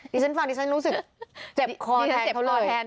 ดิฉันฟังดิฉันรู้สึกเจ็บคอแทนเขาเลย